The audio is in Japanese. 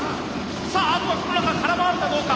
さああとは空回るかどうか。